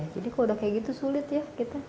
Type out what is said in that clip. jadi kok udah kayak gitu sulit ya kita